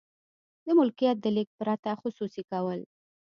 د ملکیت د لیږد پرته خصوصي کول.